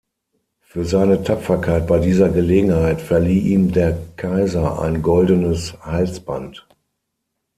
Für seine Tapferkeit bei dieser Gelegenheit verlieh ihm der Kaiser ein goldenes Halsband.